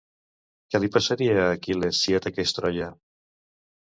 Què li passaria a Aquil·les si ataqués Troia?